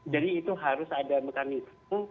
jadi itu harus ada mekanisme